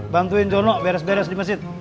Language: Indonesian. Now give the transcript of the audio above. bantuin jono beres beres di masjid